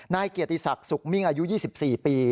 นายเกียรติศักดิ์สุขมิ่งอายุ๒๔ปี